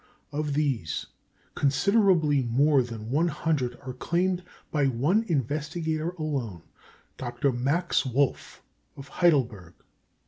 Of these, considerably more than one hundred are claimed by one investigator alone Dr. Max Wolf of Heidelburg; M.